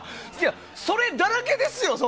それだらけですよ！